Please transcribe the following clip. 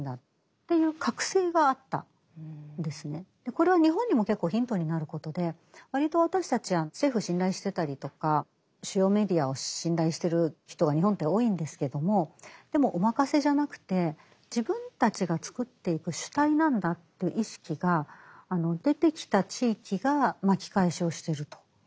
これは日本にも結構ヒントになることで割と私たち政府を信頼してたりとか主要メディアを信頼してる人が日本って多いんですけどもでもお任せじゃなくて自分たちが作っていく主体なんだという意識が出てきた地域が巻き返しをしてると。